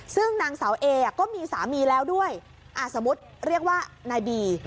ซึ่งนางสาวเอก็มีสามีแล้วด้วยสมมุติเรียกว่านายบี